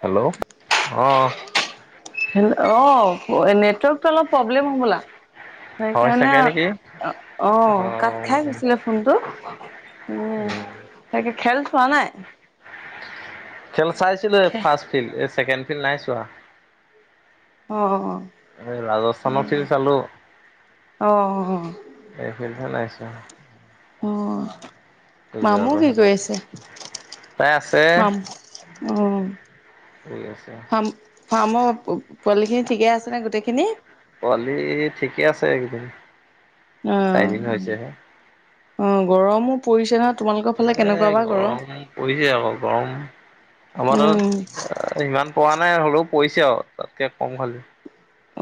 Hello অ'। Hello অ নেটৱৰ্কটো অলপ প্ৰব্লেম হ'বলা। হয় সেইকাৰণে চাগে নেকি অ', কাট অঁ খাই গৈছিলে ফোনটো এ উম তাকে খেল চোৱা নাই। খেল চাইছিলোৱেই খে ফাৰ্ষ্টফিল্ড ছেকেণ্ড ফিল্ড নাই চোৱা। অ অ এই এ ৰাজস্থানৰ ফিল্ড চালো, অ অ এই ফিল্ডখন নাই চোৱা। অ'। মামু কি গুজৰাটৰহে নাই কৰি চোৱা আছে? তাই আছে মামু, অ'। ঠিক আছে। ফাৰ্ম ফাৰ্মৰ পোৱালি খিনি ঠিকে আছে ন গোটেইখিনি পোৱালি ঠিকে আছে এইকেইদিন চাৰিদিন হৈছে হে উ গৰমো পৰিছে ন এ গৰম পৰিছে আকৌ গৰম, আমাৰ উম তাত ইমান পৰান মানে হ'লেও পৰিছে আৰু, তাতকে কম খালি।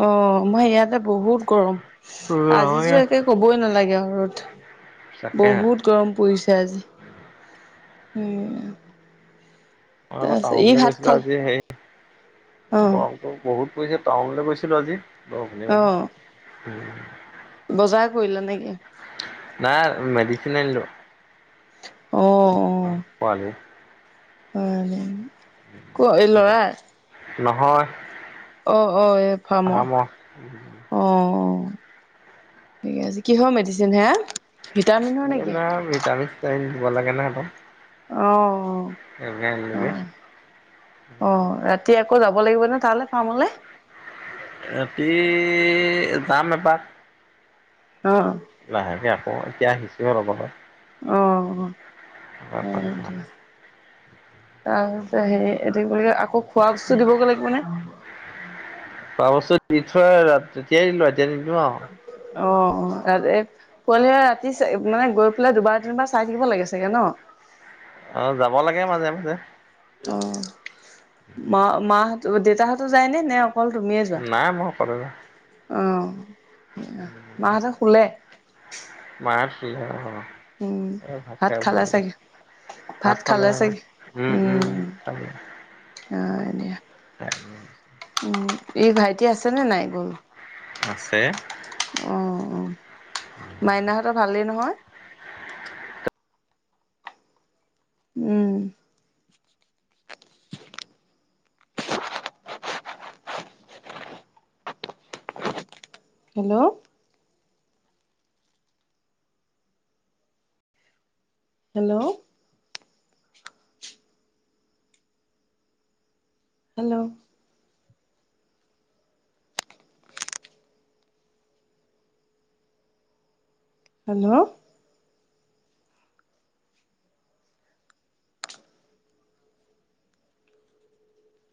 অ', মই ইয়াতে বহুত গৰম। আমাৰ আজিজো ইয়াত একে ক'বই নালাগে আৰু ৰ'দ, তাকে বহুত গৰম পৰিছে আজি। উম। মই আকৌ তাৰপিছত ই টাউনলৈ ভাত গৈছিলো খালে আজি হেৰি, অ গৰমটো বহুত কৈছে টাউনলৈ গৈছিলো আজি অ [unintelligible] উম। বজাৰ কৰিলা নে কি? নাই, মেডিচিন আনিলো। অ অ', পোৱালি। [unintelligible] ক'ৰ এই ল'ৰাই? নহয়। অ' অ', এ ফাৰ্মৰ, অ' অ'। ঠিকে আছে, কিহৰ মেডিচিন সেইয়া? এইবিলাক ভিটামিন-চিতামিন ধে ব লাগে নহয় সিহঁতক। অ' সেইবিলাক অ'। আনিলোগে। অ', অ' ৰাত জি আকৌ যাব লাগিব নে তালে ফাৰ্মলে? ৰাতি, যাম এপাক। অ লাহেকে আৰু। অ', এতিয়া আহিছো হে অলপ আগত। [inaudible] এ হেৰি, এইটো কি বুলি কয়, আকৌ খোৱা বস্তু দিবগৈ লাগিব নে? খোৱা বস্তু দি থৈ আহিলো ৰাত, তেতিয়াই দিলো ৰাত এতিয়া নিদো আও। অ' অ', ৰাত এ পোৱালিবিলাক ৰাতি চাই-মানে গৈ পেলাই দুবাৰ তিনিবাৰ চাই থাকিব লাগে চাগে ন? অঁ যাব [inaudible] অ'। ম মাহ অ', দেতাহঁতো যায় নে, নে অক নাই, মই অকলে যাওঁ। অ'। মাহঁতে শুলে। মাৰছি হঅ অ অ উম অ ভাত খাইছোঁ খালে অলপ চাগে পাছত। ভাত খালে উম উম খালে। হয় এই ভাইটি আছেনে নাই? গ'ল আছে। অ মাইনাহঁতৰ ভালেই নহয়? উম। [inaudible] হেল্ল'। হেল্ল'। হেল্ল'। হেল্ল'।